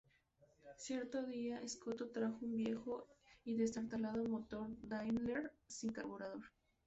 Cierto día, Scotto trajo un viejo y destartalado motor Daimler, sin carburador.